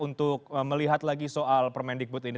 untuk melihat lagi soal permendikbud ini